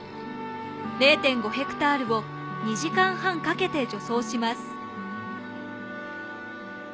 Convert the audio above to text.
０．５ヘクタールを２時間半かけて除草します。